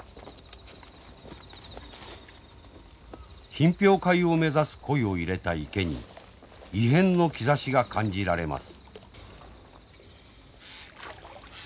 品評会を目指す鯉を入れた池に異変の兆しが感じられます。